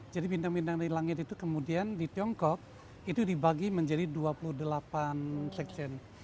jadi bintang bintang di langit itu kemudian di tiongkok itu dibagi menjadi dua puluh delapan seksen